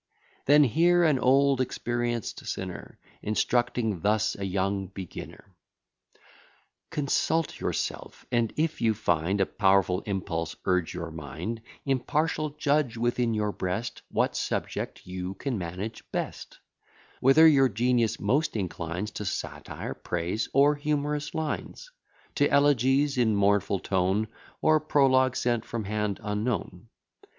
Then hear an old experienced sinner, Instructing thus a young beginner. Consult yourself; and if you find A powerful impulse urge your mind, Impartial judge within your breast What subject you can manage best; Whether your genius most inclines To satire, praise, or humorous lines, To elegies in mournful tone, Or prologue sent from hand unknown.